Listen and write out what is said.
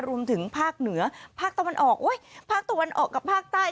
รวมถึงภาคเหนือภาคตะวันออกภาคตะวันออกกับภาคใต้